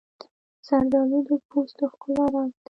زردالو د پوست د ښکلا راز دی.